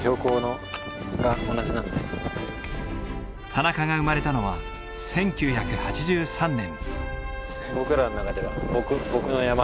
田中が生まれたのは１９８３年。